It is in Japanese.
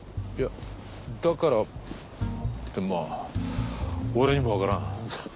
いやだからってまぁ俺にもわからん。